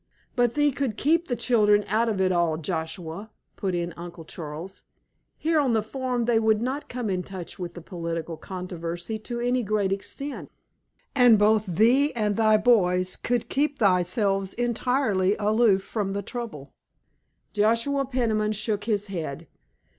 "But thee could keep the children out of it all, Joshua," put in Uncle Charles. "Here on the farm they would not come in touch with the political controversy to any great extent, and both thee and thy boys could keep thyselves entirely aloof from the trouble." Joshua Peniman shook his head.